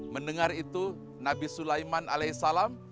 mendengar itu nabi sulaiman alai salam